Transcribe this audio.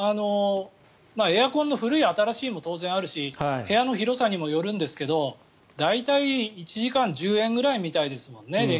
エアコンの古い新しいも当然あるし部屋の広さにもよるんですけど電気代、大体１時間１０円ぐらいみたいですもんね。